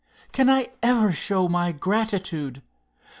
Can I ever show my gratitude?